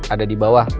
ada di bawah